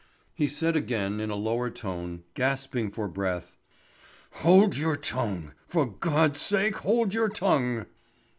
He said again in a lower tone, gasping for breath: "Hold your tongue—for God's sake hold your tongue!"